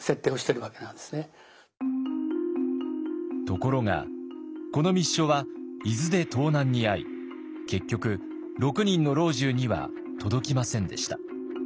ところがこの密書は伊豆で盗難に遭い結局６人の老中には届きませんでした。